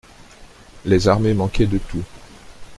Les armées manquaient de tout.